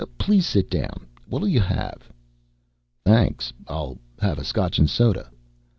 "Please sit down. What'll you have?" "Thanks, I'll have Scotch and soda."